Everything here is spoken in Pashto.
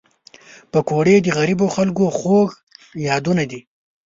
پکورې د غریبو خلک خوږ یادونه ده